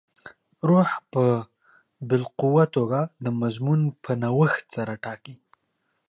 روح په باالقوه توګه د مضمون په نوښت سره ټاکي.